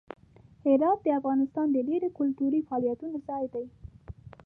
هرات د افغانستان د ډیرو کلتوري فعالیتونو ځای دی.